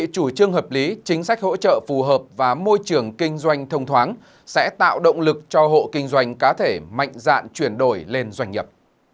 chủ trương hợp lý chính sách hỗ trợ phù hợp và môi trường kinh doanh thông thoáng sẽ tạo động lực cho hộ kinh doanh cá thể mạnh dạn chuyển đổi lên doanh nghiệp